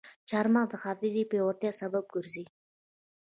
چارمغز د حافظې د پیاوړتیا سبب ګرځي.